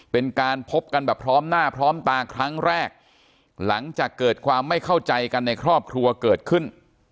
เป็นการพบกันแบบพร้อมหน้าพร้อมตาครั้งแรกหลังจากเกิดความไม่เข้าใจกันในครอบครัวเกิดขึ้น